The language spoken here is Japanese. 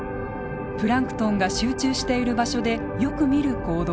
プランクトンが集中している場所でよく見る行動です。